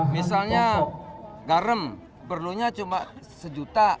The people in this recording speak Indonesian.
misalnya garam perlunya cuma sejuta